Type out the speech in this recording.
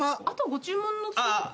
あとご注文の。